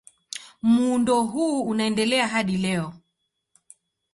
Muundo huu unaendelea hadi leo.